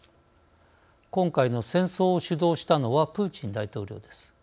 今回の戦争を主導したのはプーチン大統領です。